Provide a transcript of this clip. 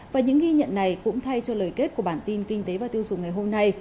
và những ghi nhận này cũng thay cho lời kết của bản tin kinh tế và tiêu dùng ngày hôm nay